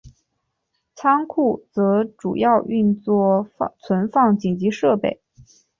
仓库则主要用作存放紧急设备。